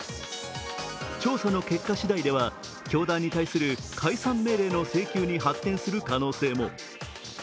調査の結果しだいでは教団に対する解散命令の請求に発展する可能性も。